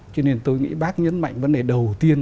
cho nên tôi nghĩ bác nhấn mạnh vấn đề đầu tiên